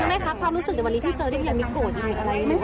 คุณแม่ครับความรู้สึกในวันนี้ที่เจอยังมีโกรธอยู่หรืออะไร